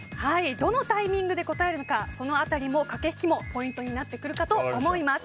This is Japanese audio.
どのタイミングで答えるのかその辺りの駆け引きもポイントになってくるかと思います。